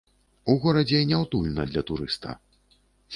У горадзе няўтульна для турыста.